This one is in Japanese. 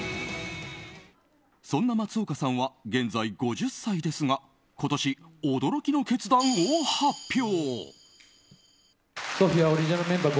そんな松岡さんは現在５０歳ですが今年、驚きの決断を発表。